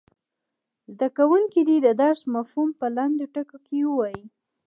زده کوونکي دې د درس مفهوم په لنډو ټکو کې ووايي.